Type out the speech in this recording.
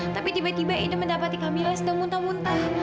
tapi tiba tiba edu mendapati kamila sedang muntah muntah